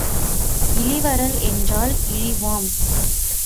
இளிவரல் என்றால் இழிவாம்.